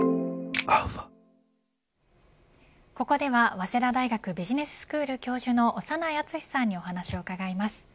ここでは早稲田大学ビジネススクール教授の長内厚さんにお話を伺います。